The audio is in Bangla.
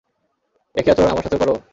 একই আচরণ আমার সাথেও করো?